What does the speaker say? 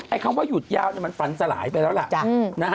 คำว่าหยุดยาวมันฝันสลายไปแล้วล่ะ